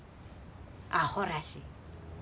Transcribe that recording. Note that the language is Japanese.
あほらしい。